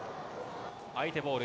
相手ボール。